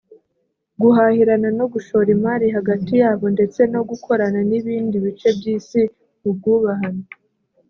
guhahirana no gushora imari hagati yabo ndetse no gukorana n’ibindi bice by’isi mu bwubahane